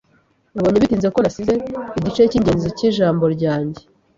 Nabonye bitinze ko nasize igice cyingenzi cyijambo ryanjye.